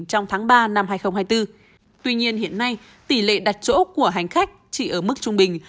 trong tháng ba năm hai nghìn hai mươi bốn tuy nhiên hiện nay tỷ lệ đặt chỗ của hành khách chỉ ở mức trung bình